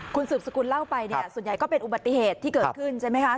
คุณสืบสกุลเล่าไปเนี่ยส่วนใหญ่ก็เป็นอุบัติเหตุที่เกิดขึ้นใช่ไหมคะ